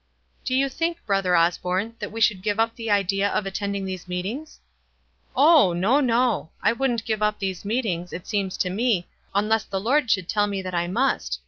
"Do you think, Brother Osborne, that we should give up the idea of attending these meet ings?" " Ob, no, no ! I couldn't give up these meet ings, it seems to me, unless the Lord should tell me that I must.